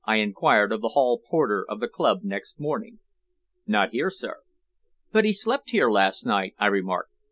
I inquired of the hall porter of the club next morning. "Not here, sir." "But he slept here last night," I remarked.